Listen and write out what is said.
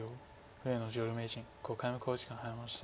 上野女流名人５回目の考慮時間に入りました。